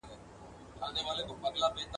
او ډېر خاموش او آرام ښکارېدی ..